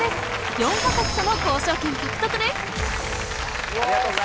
４か国との交渉権獲得です。